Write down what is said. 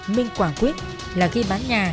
minh quả quyết là khi bán nhà